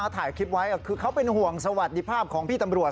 ถ่ายคลิปไว้คือเขาเป็นห่วงสวัสดิภาพของพี่ตำรวจ